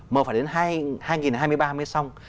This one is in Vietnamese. mà phải đến hai nghìn hai mươi ba mới xong